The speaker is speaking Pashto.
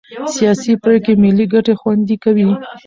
سیاسي پرېکړې ملي ګټې خوندي کوي